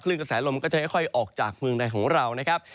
กระแสลมก็จะค่อยออกจากเมืองใดของเรานะครับ